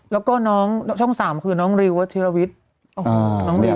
แล้วก็ช่อง๓คือน้องริวเทียวิทย์